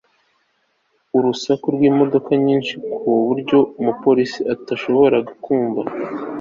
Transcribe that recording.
Urusaku rwimodoka nyinshi ku buryo umupolisi atashoboraga kumva